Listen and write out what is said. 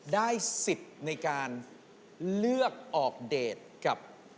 ได้สิทธิ์ในการเลือกออกเดทกับ